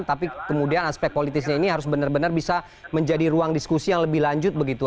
tapi kemudian aspek politisnya ini harus benar benar bisa menjadi ruang diskusi yang lebih lanjut begitu